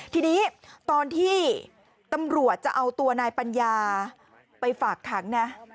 ทีนี้ตอนที่ตำรวจจะเอาตัวนายปัญญาไปฝากขังนะ